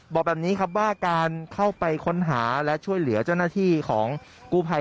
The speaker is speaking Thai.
บอกแบบนี้ครับว่าการเข้าไปค้นหาและช่วยเหลือเจ้าหน้าที่ของกู้ภัย